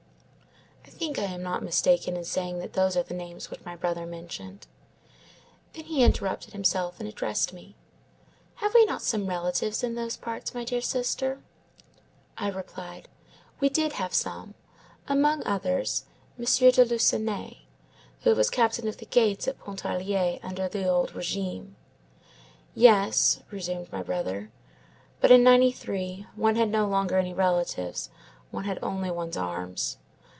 "I think I am not mistaken in saying that those are the names which my brother mentioned. Then he interrupted himself and addressed me:— "'Have we not some relatives in those parts, my dear sister?' "I replied,— "'We did have some; among others, M. de Lucenet, who was captain of the gates at Pontarlier under the old régime.' "'Yes,' resumed my brother; 'but in '93, one had no longer any relatives, one had only one's arms.